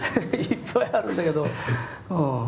いっぱいあるんだけどうん。